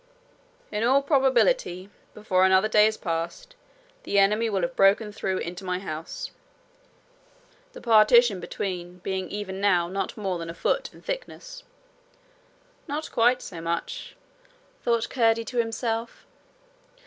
In all probability, before another day is past, the enemy will have broken through into my house the partition between being even now not more than a foot in thickness.' 'Not quite so much,' thought Curdie to himself.